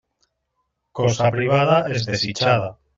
Cosa privada és desitjada.